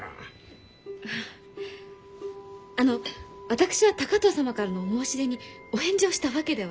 ああの私は高藤様からのお申し出にお返事をしたわけでは。